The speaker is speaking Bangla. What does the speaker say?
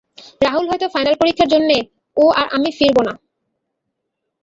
রাহুল হয়তো ফাইনাল পরীক্ষার জন্যে ও আমি আর ফিরে আসবো না।